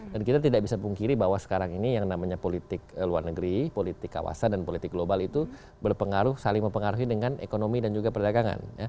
kita tidak bisa pungkiri bahwa sekarang ini yang namanya politik luar negeri politik kawasan dan politik global itu berpengaruh saling mempengaruhi dengan ekonomi dan juga perdagangan